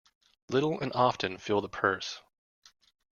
Little and often fill the purse.